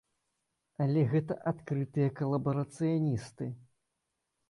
Але гэта адкрытыя калабарацыяністы.